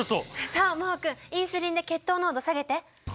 さあ真旺君インスリンで血糖濃度を下げて！